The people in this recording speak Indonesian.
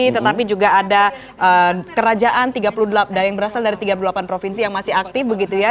tetapi juga ada kerajaan tiga puluh delapan yang berasal dari tiga puluh delapan provinsi yang masih aktif begitu ya